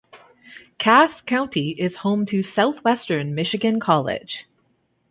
Cass County is home to Southwestern Michigan College.